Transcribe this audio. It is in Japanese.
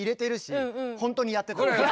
本当にやってたね。